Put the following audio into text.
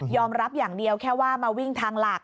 รับอย่างเดียวแค่ว่ามาวิ่งทางหลัก